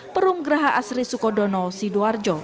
perumgeraha asri sukodono sidoarjo